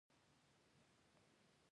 مال د خدای امانت دی.